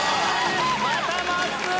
またまっすー